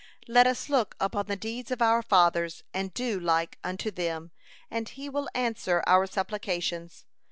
Let us look upon the deeds of our fathers and do like unto them, and He will answer our supplications.